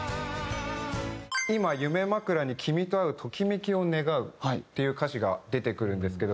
「今夢まくらに君と会うトキメキを願う」っていう歌詞が出てくるんですけど